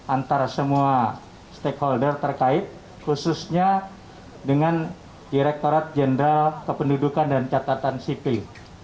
antara semua stakeholder terkait khususnya dengan direkturat jenderal kependudukan dan catatan sipil